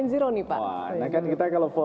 nih pak nah kan kita kalau empat